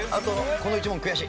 この１問悔しい？